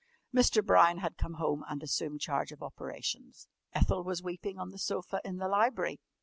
Mr. Brown had come home and assumed charge of operations. Ethel was weeping on the sofa in the library.